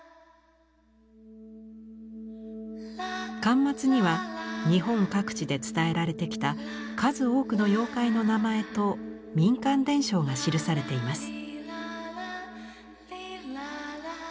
巻末には日本各地で伝えられてきた数多くの妖怪の名前と民間伝承が記されています。